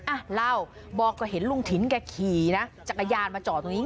อ่ะเล่าบอกก็เห็นลุงถิ่นแกขี่นะจักรยานมาจอดตรงนี้